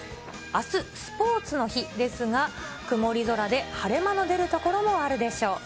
あすスポーツの日ですが、曇り空で晴れ間の出る所もあるでしょう。